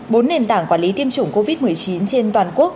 bốn nền tảng quản lý tiêm chủng covid một mươi chín trên toàn quốc